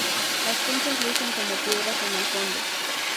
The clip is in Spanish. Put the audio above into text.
Las conchas lucen como piedras en el fondo.